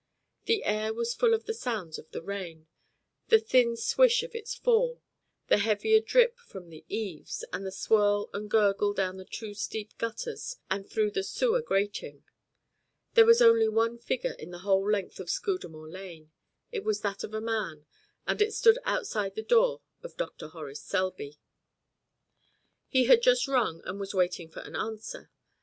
The air was full of the sounds of the rain, the thin swish of its fall, the heavier drip from the eaves, and the swirl and gurgle down the two steep gutters and through the sewer grating. There was only one figure in the whole length of Scudamore Lane. It was that of a man, and it stood outside the door of Dr. Horace Selby. He had just rung and was waiting for an answer.